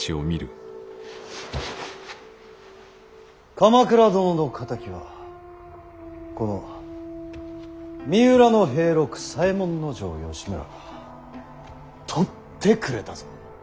鎌倉殿の敵はこの三浦平六左衛門尉義村がとってくれたぞ。